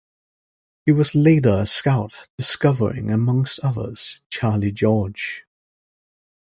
He was later a scout, discovering, amongst others, Charlie George.